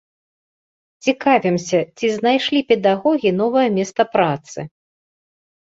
Цікавімся, ці знайшлі педагогі новае месца працы.